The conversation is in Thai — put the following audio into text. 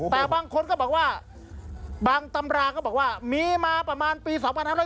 แต่บางคนก็บอกว่าบางตำราก็บอกว่ามีมาประมาณปี๒๕๕๙